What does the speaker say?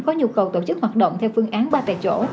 có nhu cầu tổ chức hoạt động theo phương án ba tại chỗ